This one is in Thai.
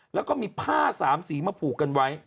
แล้วก็มีผ้าสามสีมาผูกกันไว้